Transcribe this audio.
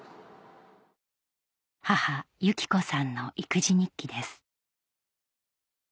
母・有紀子さんの育児日記です